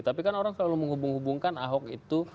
tapi kan orang selalu menghubung hubungkan ahok itu